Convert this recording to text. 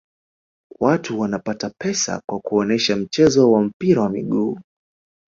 watu wanapata pesa kwa kuonesha mchezo wa mpira wa miguu